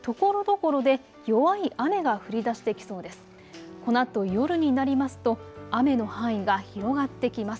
このあと夜になりますと雨の範囲が広がってきます。